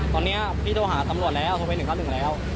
ตอนนี้พี่โทรหาตำรวจแล้วโทรไป๑๙๑แล้ว